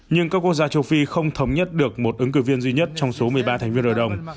nhưng các quốc gia châu phi không thống nhất được một ứng cử viên duy nhất trong số một mươi ba thành viên hội đồng